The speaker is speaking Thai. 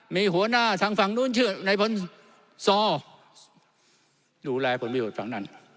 มีหัวหน้าทางฝั่งนู้นเชื่อในพลศดูแลพลภิโรธฝั่งนั้น